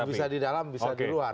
bisa di dalam bisa di luar